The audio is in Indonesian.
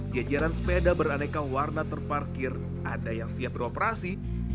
jajaran sepeda beraneka warna terparkir ada yang siap beroperasi